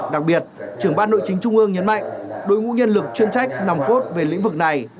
đặc biệt trưởng ban nội chính trung ương nhấn mạnh đội ngũ nhân lực chuyên trách nòng cốt về lĩnh vực này